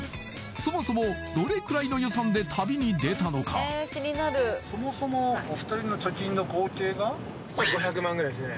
そもそもどれくらいの予算で旅に出たのかそもそもお二人の貯金の合計が５００万ぐらいですね